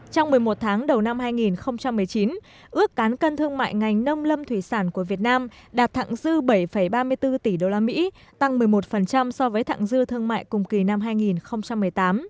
trong một mươi một tháng đầu năm hai nghìn một mươi chín ước cán cân thương mại ngành nông lâm thủy sản của việt nam đạt thẳng dư bảy ba mươi bốn tỷ usd tăng một mươi một so với thẳng dư thương mại cùng kỳ năm hai nghìn một mươi tám